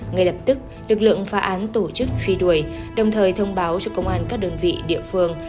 ngay lập tức lực lượng phá án tổ chức truy đuổi đồng thời thông báo cho công an các đơn vị địa phương